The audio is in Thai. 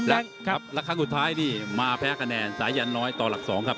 และครั้งสุดท้ายนี่มาแพ้คะแนนสายันน้อยต่อหลัก๒ครับ